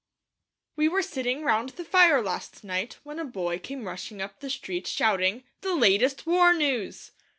We were sitting round the fire last night when a boy came rushing up the street shouting, 'The latest war news.'